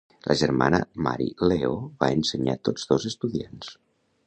La germana Mary Leo va ensenyar tots dos estudiants.